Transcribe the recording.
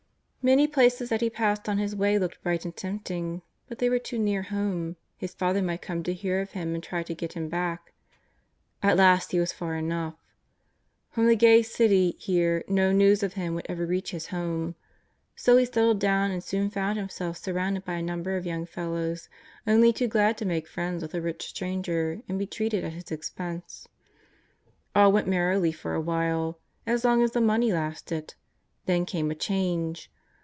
Many places that he passed on his way looked bright and tempting, but they were too near home ; his father might come to hear of him and try to get him back. iVt last he was far enough. From the gay city here no news of him would ever reach his home. So he settled down and soon found himself surrounded by a number of young fellows, only too glad to make friends with a rich stranger, and be treated at his expense. All went merrily for a while — as long as the money lasted. Then came a change.